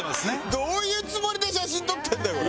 どういうつもりで写真撮ってるんだよこれ。